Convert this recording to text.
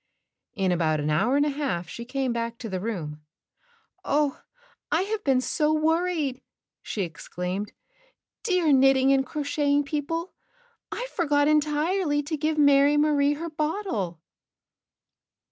you: In about an hour and a half she came back to the room. "Oh, I have been so worried!" she exclaimed. "Dear Knitting and Crocheting People, I forgot entirely to give Mary Marie her bottle."